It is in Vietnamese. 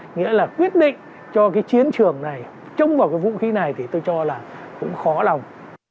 nghĩa là quyết định cho cái chiến trường này trông vào cái vũ khí này thì tôi cho là cũng khó lòng